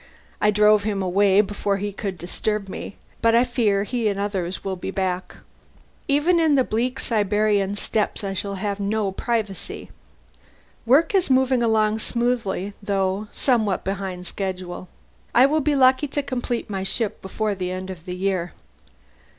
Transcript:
I drove him away before he could disturb me, but I fear he and others will be back. Even in the bleak Siberian steppes I shall have no privacy. Work is moving along smoothly, though somewhat behind schedule; I shall be lucky to complete my ship before the end of the year."